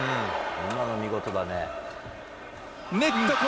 今の見事だね。